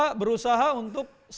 jadi kita berusaha untuk membuatnya